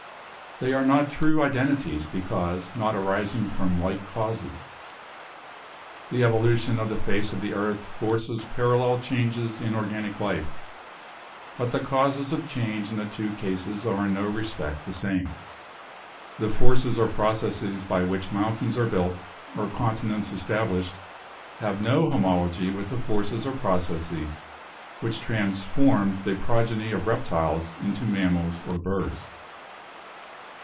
They are not true identities because not arising from like causes. The evolution of the face of the earth forces parallel changes in organic life, but the causes of change in the two cases are in no respect the same. The forces or processes by which mountains are built or continents established have no homology with the forces or processes which transformed the progeny of reptiles into mammals or birds.